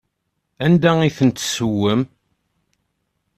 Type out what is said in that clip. Anda i tent-tessewwem?